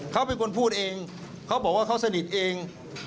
เขาเป็นคนพูดเองเขาบอกว่าเขาสนิทเอง